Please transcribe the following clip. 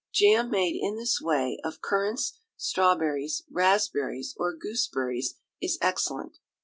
Jam made in this way of currants, strawberries, raspberries, or gooseberries, is excellent.